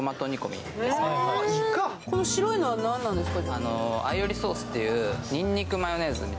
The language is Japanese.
この白いのは何なんですか？